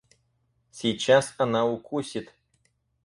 Сейчас она укусит.